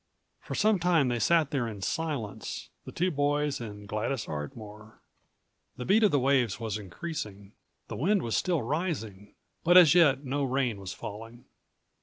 For some time they sat there in silence, the two boys and Gladys Ardmore. The beat of the waves was increasing. The wind was still rising, but as yet no rain was falling.